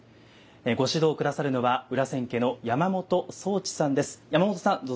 ご指導下さるのは裏千家の山本宗知さんです。